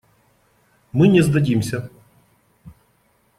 Мы не сдадимся.